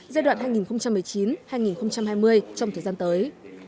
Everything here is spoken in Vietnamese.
giai đoạn hai nghìn một mươi chín hai nghìn hai mươi trong thời gian tới